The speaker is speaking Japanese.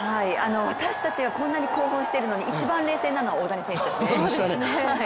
私たちがこんなに興奮しているのに、一番冷静なのは大谷選手でしたね。